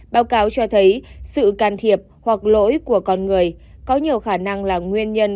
báo cáo cho thấy sự can thiệp hoặc lỗi của con người có nhiều khả năng là nguyên nhân